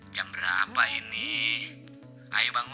terima kasih pak